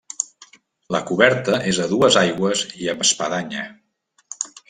La coberta és a dues aigües i amb espadanya.